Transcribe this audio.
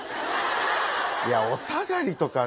いやお下がりとか。